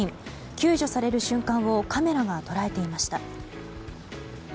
救助される瞬間をカメラが捉えていました。